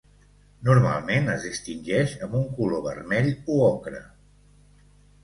Normalment, es distingeix amb un color vermell o ocre.